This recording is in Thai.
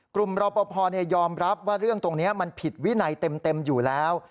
รอปภยอมรับว่าเรื่องตรงนี้มันผิดวินัยเต็มอยู่แล้ว